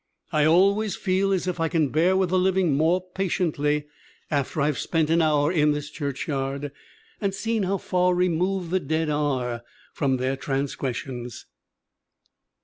"I always feel as if I can bear with the living more patiently after I've spent an hour in this churchyard and seen how far removed the dead are from their transgressions.